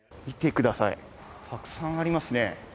たくさんありますね。